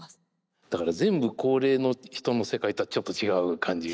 だから全部高齢の人の世界とはちょっと違う感じ。